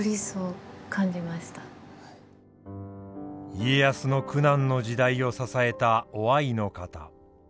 家康の苦難の時代を支えた於愛の方。